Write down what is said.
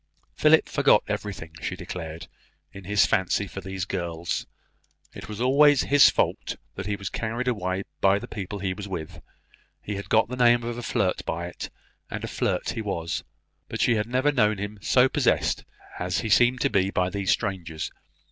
Philip forgot everything, she declared, in his fancy for these girls; it was always his fault that he was carried away by the people he was with: he had got the name of a flirt by it, and a flirt he was; but she had never known him so possessed as he seemed to be by these strangers.